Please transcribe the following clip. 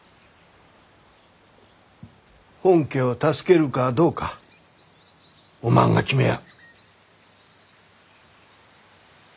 本家を助けるかどうかおまんが決めや。